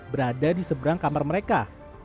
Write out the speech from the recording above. berada di seberang kamar mereka